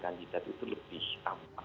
kandidat itu lebih tampak